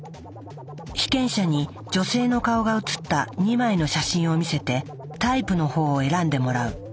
被験者に女性の顔が写った２枚の写真を見せてタイプのほうを選んでもらう。